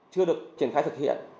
chưa được triển khai thực hiện